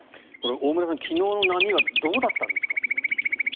大村さん、昨日の波はどうだったんですか？